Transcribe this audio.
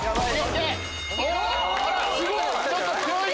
すごい！